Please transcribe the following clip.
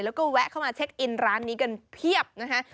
แล้วก็แวะเข้ามาเช็คอินร้านนี้กันเพียบนะคะ